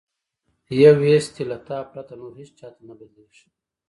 یو حس دی له تا پرته، نور هیڅ چاته نه بدلیږي